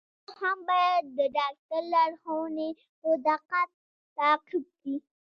ناروغ هم باید د ډاکټر لارښوونې په دقت تعقیب کړي.